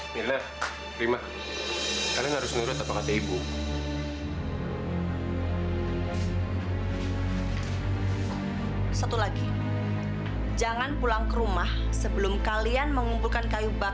sampai jumpa di video selanjutnya